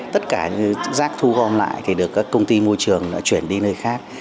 tất cả rác thu gom lại thì được các công ty môi trường chuyển đi nơi khác